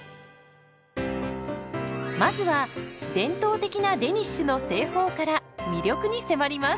まずは伝統的なデニッシュの製法から魅力に迫ります。